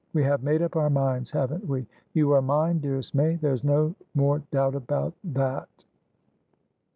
We have made up our minds, haven't we? You are mine, dearest May! There's no more doubt about that!"